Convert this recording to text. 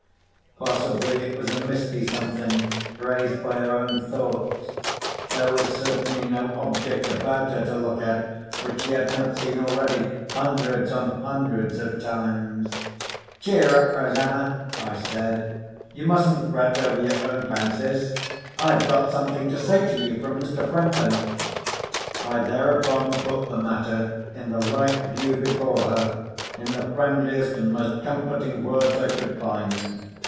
Possibly, it was a misty something raised by her own thoughts. There was certainly no object about her to look at which she had not seen already hundreds on hundreds of times. "Cheer up, Rosanna!" I said. "You mustn't fret over your own fancies. I have got something to say to you from Mr. Franklin." I thereupon put the matter in the right view before her, in the friendliest and most comforting words I could find.